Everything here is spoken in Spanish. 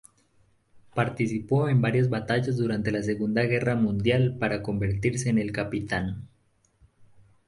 Participó en varias batallas durante la Segunda Guerra Mundial para convertirse en capitán.